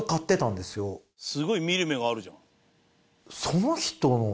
すごい見る目があるじゃん。